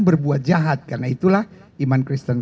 berbuat jahat karena itulah iman kristen